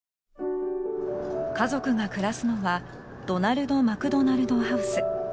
家族が暮らすのはドナルド・マクドナルド・ハウス。